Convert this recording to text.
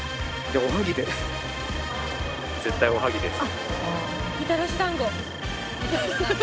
絶対おはぎです。